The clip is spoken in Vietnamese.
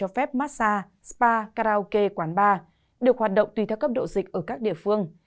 cho phép massage spa karaoke quán bar được hoạt động tùy theo cấp độ dịch ở các địa phương